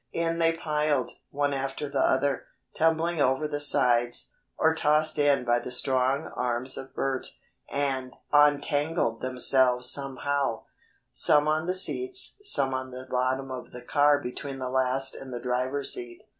In they piled, one after the other, tumbling over the sides, or tossed in by the strong arms of Bert, and untangled themselves somehow, some on the seats, some on the bottom of the car between the last and the driver's seat.